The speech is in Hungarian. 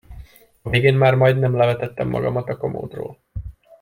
A végén már majdnem levetettem magamat a komódról.